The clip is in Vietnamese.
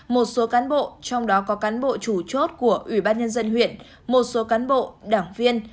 một số cán bộ trong đó có cán bộ chủ chốt của ủy ban nhân dân huyện một số cán bộ đảng viên